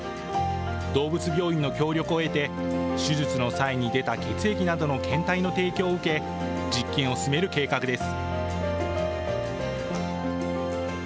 動物病院の協力を得て、手術の際に出た血液などの検体の提供を受け、実験を進める計画です。